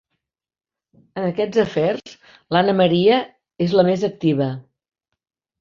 En aquests afers l'Anna Maria és la més activa.